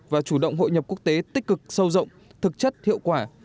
và chủ động hội nhập quốc tế tích cực sâu rộng thực chất hiệu quả